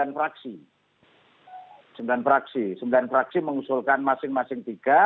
sembilan fraksi sembilan fraksi mengusulkan masing masing tiga